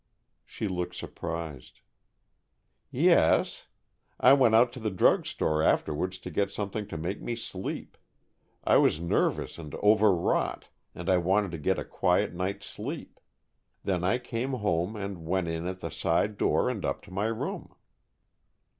She looked surprised. "Yes. I went out to the drugstore afterwards to get something to make me sleep. I was nervous and overwrought, and I wanted to get a quiet night's sleep. Then I came home and went in at the side door and up to my room."